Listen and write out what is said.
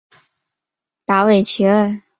达韦齐厄。